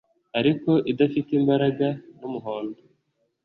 ariko idafite imbaraga, n'umuhondo,